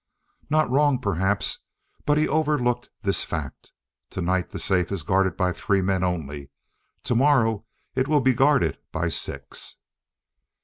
"Not wrong, perhaps. But he overlooked this fact: tonight the safe is guarded by three men only; tomorrow it will be guarded by six."